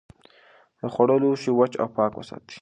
د خوړو لوښي وچ او پاک وساتئ.